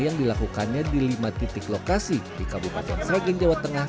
yang dilakukannya di lima titik lokasi di kabupaten slegan jawa tengah